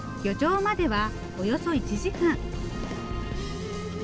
漁場まではおよそ１時間。